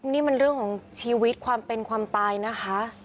นี่มันเรื่องของชีวิตความเป็นความตายนะคะ